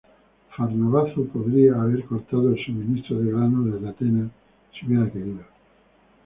Farnabazo podría haber cortado el suministro de grano desde Atenas si hubiera querido.